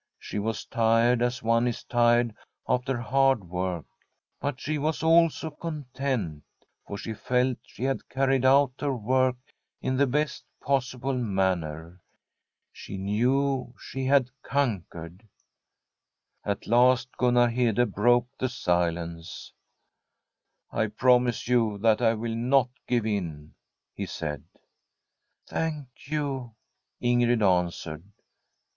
She was tired, as one is tired after hard work; but she was also content, for she felt she had carried out her work in the best possible manner. She knew she had conquered. At last Gunnar Hede broke the silence. * Ipromise you that I will not give in/ he said. * Thank you/ Ing^d answered.